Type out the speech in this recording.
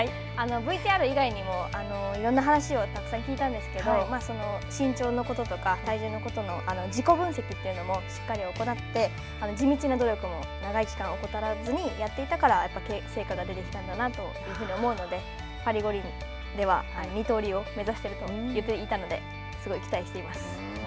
ＶＴＲ以外にもいろんな話をたくさん聞いたんですけど身長のこととか体重のことの自己分析というのもしっかり行って地道な努力も長い期間怠らずにやっていたからやっぱり成果が出てきたんだなというふうに思うのでパリ五輪では二刀流を目指すと言っていたのですごい期待しています。